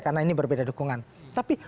karena ini berbeda dukungan tapi